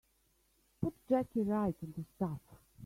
Put Jackie right on the staff.